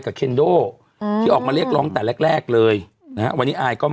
ขอบคุณนะครับขอบคุณนะครับขอบคุณนะครับ